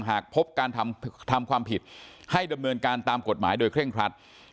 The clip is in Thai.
หากพบการทำความผิดให้ดำเนินการตามกฎหมายโดยเร่งครัด